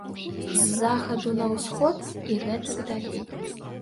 З захаду на ўсход і гэтак далей.